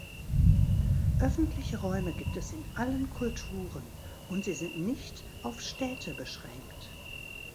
Öffentliche Räume gibt es in allen Kulturen und sie sind nicht auf Städte beschränkt.